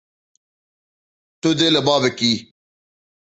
Tu dê li ba bikî.